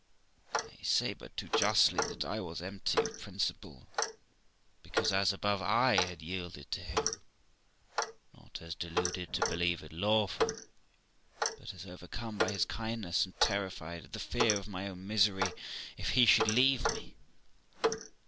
I say but too justly that I was empty of principle, because, as above, I had yielded to him, not as deluded to believe it lawful, but as overcome by his kindness, and terrified at the fear of my own misery if he should leave me.